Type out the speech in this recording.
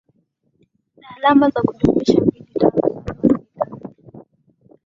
nda alama ya kujumulisha mbili tano tano saba sita nne